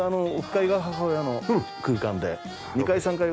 １階が母親の空間で２階３階